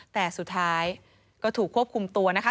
แต่สุดท้ายก็ถูกควบคุมตัวนะคะ